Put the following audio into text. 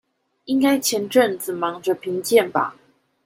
應該前陣子忙著評鑑吧